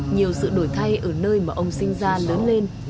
nhiều sự đổi thay ở nơi mà ông sinh ra lớn lên